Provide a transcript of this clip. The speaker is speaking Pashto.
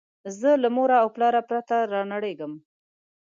زه له موره او پلاره پرته رانړېږم